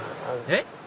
えっ⁉